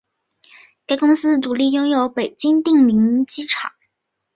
该公司独立拥有北京定陵机场。